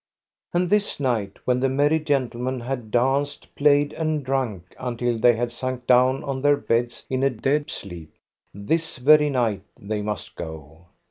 And this night, when the merry gentlemen had danced, played, and drunk until they had sunk down on their beds in a dead sleep, this very night they must go.